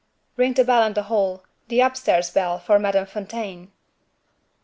"Ring the bell in the hall the upstairs bell for Madame Fontaine!"